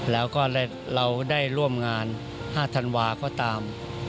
แล้วก็เราได้ร่วมงาน๕ธันวาก็ตาม